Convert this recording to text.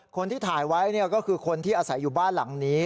คนที่ถ่ายไว้ก็คือคนที่อาศัยอยู่บ้านหลังนี้